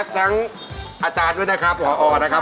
อาจารย์ด้วยนะครับพอนะครับ